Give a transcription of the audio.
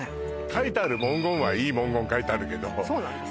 書いてある文言はいい文言書いてあるけどそうなんです